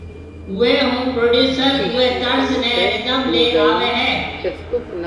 اوئي ھونپروڊيوسر اوئي طرز ني رڌم لي آوي ھيَََ